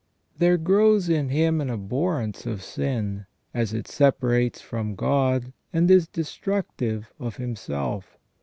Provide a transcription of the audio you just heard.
There grows in him an abhorrence of sinj as it separates from God and is destructive of himself.